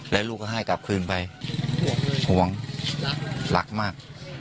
แล้วลูกก็ให้กลับคืนไปห่วงรักมาก